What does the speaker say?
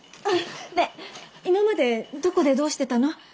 ねえ今までどこでどうしてたの？